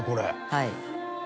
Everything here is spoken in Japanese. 「はい」